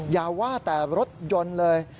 อย่าว่าแต่รถยนต์เลย